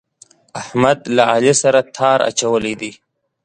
احمد له علي سره تار اچولی دی.